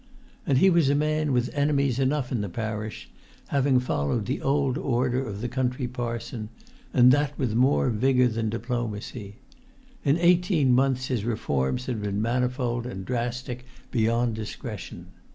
And he was a man with enemies enough in the parish, having followed the old order of country parson, and that with more vigour than diplomacy. In eighteen months his reforms had been manifold and drastic beyond discretion.